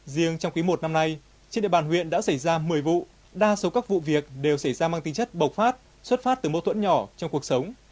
riêng trong ký một năm nay trên địa bàn huyện đã xảy ra một mươi vụ đa số các vụ việc đều xảy ra mang tính chất bọc phát xuất phát từ mâu thuẫn nhỏ trong cuộc sống